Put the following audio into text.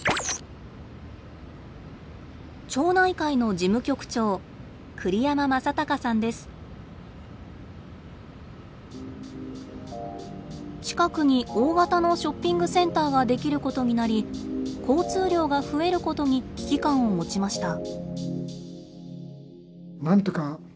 町内会の事務局長近くに大型のショッピングセンターができることになり交通量が増えることに危機感を持ちました。